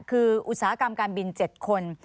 คืออุตสาหกรรมการบิน๗คน